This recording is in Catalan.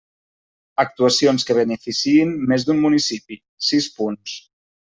Actuacions que beneficiïn més d'un municipi: sis punts.